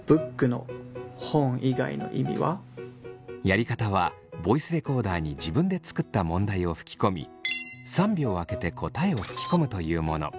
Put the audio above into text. やり方はボイスレコーダーに自分で作った問題を吹き込み３秒空けて答えを吹き込むというもの。